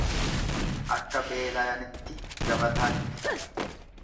Akka beelayanitti gabataa hin fixan.